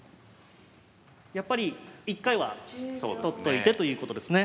やっぱり一回は取っといてということですね。